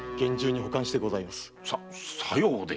ささようで？